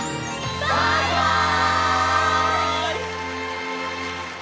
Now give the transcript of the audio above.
バイバイ！